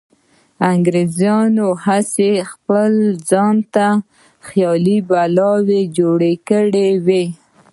انګریزانو هسې خپل ځانته خیالي بلا جوړه کړې وه.